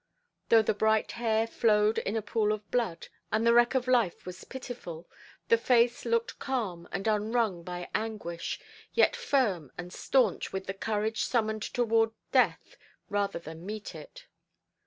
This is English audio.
Though the bright hair flowed in a pool of blood, and the wreck of life was pitiful, the face looked calm and unwrung by anguish, yet firm and staunch, with the courage summoned to ward death rather than meet it.